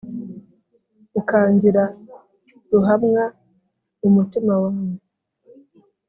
Ukangira Ruhamwa mu mutima wawe